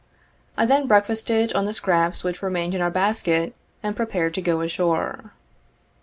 I then breakfasted on the scraps which remained in our basket, and prepared to go ashore.